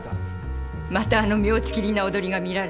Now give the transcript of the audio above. またあの妙ちきりんな踊りが見られるのね。